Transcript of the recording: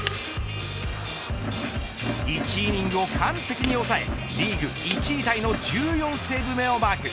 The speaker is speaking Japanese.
１イニングを完璧に抑えリーグ１位タイの１４セーブ目をマーク。